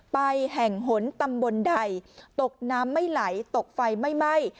ไปแห่งหนตำบลใดตกน้ำไม่ไหลตกไฟไม่ไหม้